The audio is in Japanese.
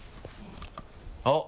あっ。